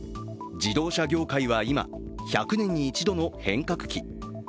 自動車業界は今１００年に一度の変革期。